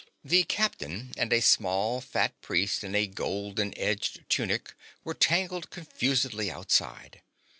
The Captain and a small, fat priest in a golden edged tunic were tangled confusedly outside.